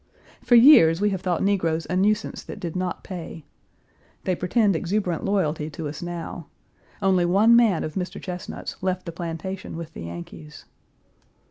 For years we have thought negroes a nuisance that did not pay. They pretend exuberant loyalty to us now. Only one man of Mr. Chesnut's left the plantation with the Yankees.